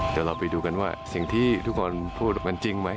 แต่เราไปดูกันว่าสิ่งที่ทุกคนพูดมันจริงไหม